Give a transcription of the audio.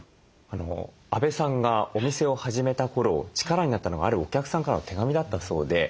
阿部さんがお店を始めた頃力になったのがあるお客さんからの手紙だったそうで。